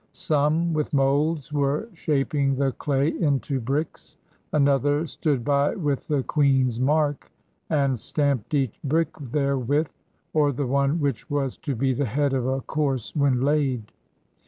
Some with moulds were shaping the clay into bricks. Another stood by with the queen's mark, and stamped each brick therewith, or the one which was to be the head of a course when laid.